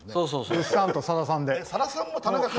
ぐっさんとさださんで。